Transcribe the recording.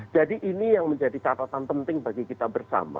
jadi ini yang menjadi catatan penting bagi kita bersama